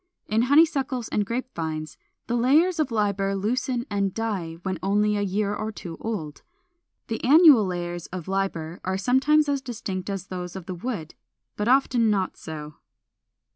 In Honeysuckles and Grape Vines, the layers of liber loosen and die when only a year or two old. The annual layers of liber are sometimes as distinct as those of the wood, but often not so. 434.